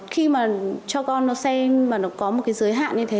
khi mà cho con nó xem và nó có một giới hạn như thế